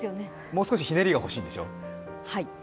もう少しひねりが欲しいでしょ。